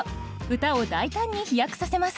歌を大胆に飛躍させます。